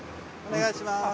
お願いしまーす。